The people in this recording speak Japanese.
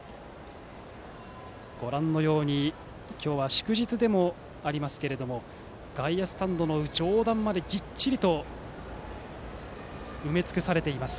ご覧のように今日は祝日でもありますが外野スタンドの上段までぎっちりと埋め尽くされています。